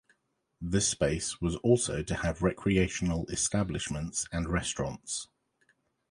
This space was also to have recreational establishments and restaurants.